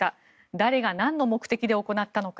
誰がなんの目的で行ったのか。